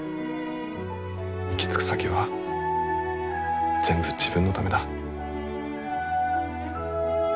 行き着く先は全部自分のためだ。